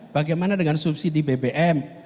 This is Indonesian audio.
bagaimana dengan subsidi bbm